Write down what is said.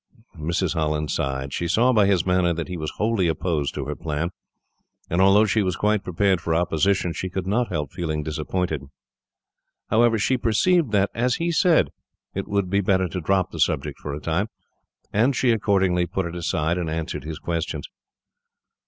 Mrs. Holland sighed. She saw, by his manner, that he was wholly opposed to her plan, and although she was quite prepared for opposition, she could not help feeling disappointed. However, she perceived that, as he said, it would be better to drop the subject for a time; and she accordingly put it aside, and answered his questions.